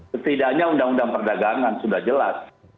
setidaknya undang undang perdagangan sudah jelas